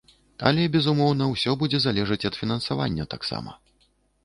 Але, безумоўна, ўсё будзе залежаць ад фінансавання таксама.